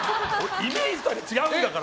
イメージとは違うから！